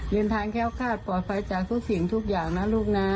เดินทางแค้วคาดปลอดภัยจากทุกสิ่งทุกอย่างนะลูกนะ